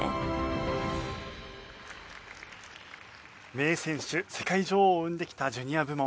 名選手世界女王を生んできたジュニア部門。